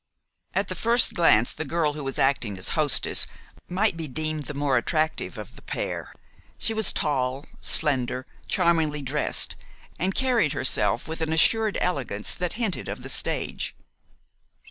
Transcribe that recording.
At the first glance, the girl who was acting as hostess might be deemed the more attractive of the pair. She was tall, slender, charmingly dressed, and carried herself with an assured elegance that hinted of the stage.